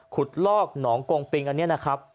ลอกหนองกงปิงอันนี้นะครับ